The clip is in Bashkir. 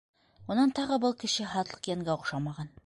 Унан тағы был кеше һатлыҡ йәнгә оҡшамаған.